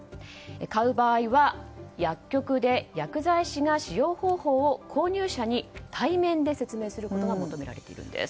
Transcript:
買う場合は、薬局で薬剤師が使用方法を購入者に対面で説明することが求められているんです。